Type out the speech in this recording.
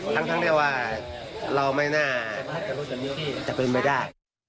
ทั้งเดียวว่าเราไม่น่าจะเป็นไปได้